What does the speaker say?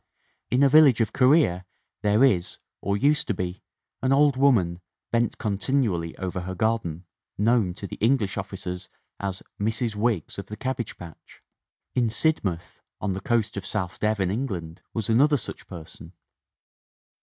In a village of Korea there is, or used to be, an old woman, bent continually over jher garden, known to the English officers as "Mrs. Wiggs of the Cabbage Patch." In Sidmouth, on the coast of South Devon, England, was another such person.